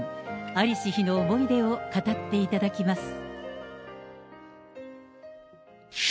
在りし日の思い出を語っていただきます。